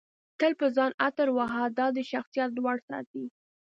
تل په ځان عطر وهه دادی شخصیت لوړ ساتي